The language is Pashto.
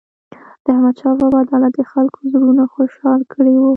د احمدشاه بابا عدالت د خلکو زړونه خوشحال کړي وو.